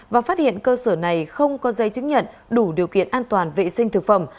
và phát hiện cơ sở này không có dây chứng nhận đủ điều kiện an toàn vệ sinh thực phẩm